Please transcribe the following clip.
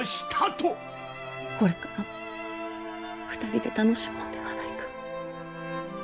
これからも２人で楽しもうではないか。